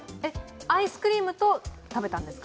アイスクリームと食べたんですか？